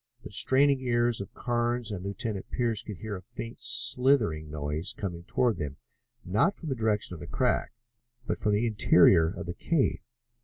The straining ears of Carnes and Lieutenant Pearce could hear a faint slithering noise coming toward them, not from the direction of the crack, but from the interior of the cave.